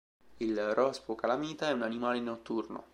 Il rospo calamita è un animale notturno.